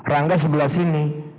rangga sebelah sini